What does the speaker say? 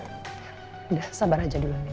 udah sabar aja dulu min